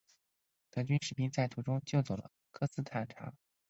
德军士兵在途中救走了科斯坦察。